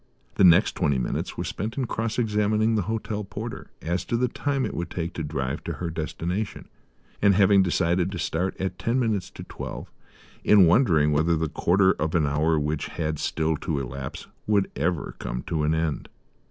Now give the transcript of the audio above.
The next twenty minutes were spent in cross examining the hotel porter as to the time it would take to drive to her destination, and, having decided to start at ten minutes to twelve, in wondering whether the quarter of an hour which had still to elapse would ever come to an end.